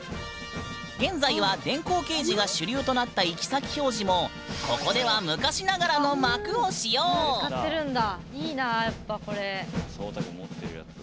現在は電光掲示が主流となった行き先表示もここでは今使ってるんだ。